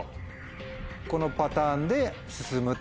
このパターンで進むってこと。